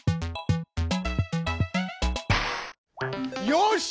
よし！